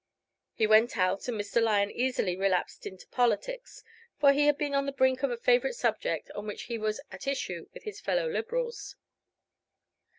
He went out, and Mr. Lyon easily relapsed into politics, for he had been on the brink of a favorite subject on which he was at issue with his fellow Liberals.